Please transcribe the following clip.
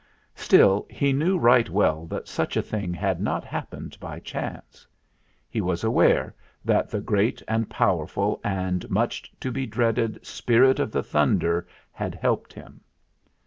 Still he knew right well that such a thing had not hap pened by chance. He was aware that the great and powerful and much to be dreaded Spirit of the Thunder had helped him.